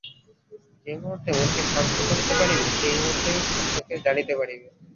যে-মুহূর্তে মনকে শান্ত করিতে পারিবে, সেই মুহূর্তেই সত্যকে জানিতে পারিবে।